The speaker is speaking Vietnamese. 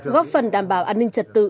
góp phần đảm bảo an ninh trật tự